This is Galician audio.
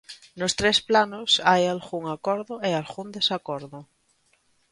Nos tres planos, hai algún acordo e algún desacordo.